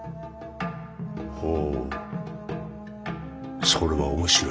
ほうそれは面白いな。